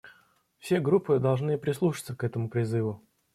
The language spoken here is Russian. Все группы должны прислушаться к этому призыву.